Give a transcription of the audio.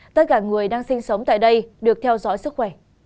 tất cả người đang sinh sống tại đây được theo dõi sức khỏe